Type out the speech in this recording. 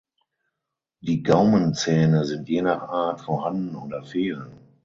Die Gaumenzähne sind je nach Art vorhanden oder fehlen.